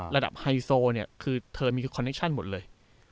ระดับไฮโซคือเธอมีคอนเนคชั่นหมดเลย